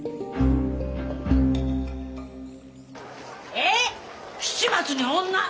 えっ七松に女！？